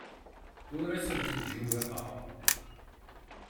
Ur asen-ttjewwiqeɣ.